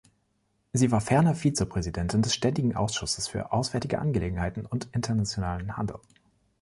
Sie war ferner Vizepräsidentin des Ständigen Ausschusses für Auswärtige Angelegenheiten und Internationalen Handel.